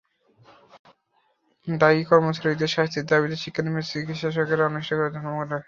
দায়ী কর্মচারীদের শাস্তির দাবিতে শিক্ষানবিশ চিকিৎ সকেরা অনির্দিষ্টকালের জন্য ধর্মঘট ডাকেন।